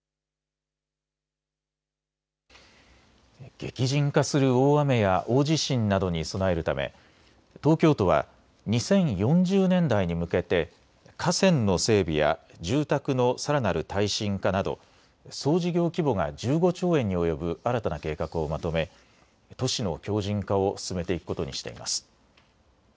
激甚化する大雨や大地震などに備えるため東京都は２０４０年代に向けて河川の整備や住宅のさらなる耐震化など総事業規模が１５兆円に及ぶ新たな計画をまとめ都市の強じん化を進めていくことにしています。